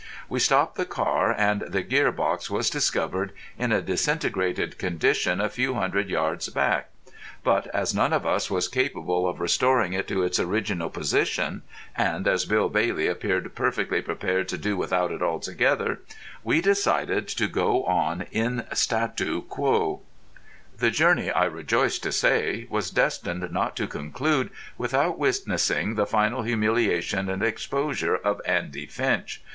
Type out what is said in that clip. We stopped the car, and the gear box was discovered in a disintegrated condition a few hundred yards back; but as none of us was capable of restoring it to its original position, and as Bill Bailey appeared perfectly prepared to do without it altogether, we decided to go on in statu quo. The journey, I rejoice to say, was destined not to conclude without witnessing the final humiliation and exposure of Andy Finch.